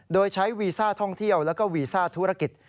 โดยใช้วีซ่าท่องเที่ยวแล้วก็วีซ่าธุรกิจ